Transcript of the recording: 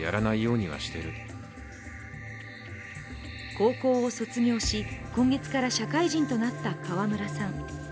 高校を卒業し今月から社会人となった川村さん。